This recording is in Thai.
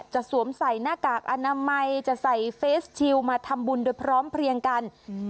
สวมใส่หน้ากากอนามัยจะใส่เฟสชิลมาทำบุญโดยพร้อมเพลียงกันอืม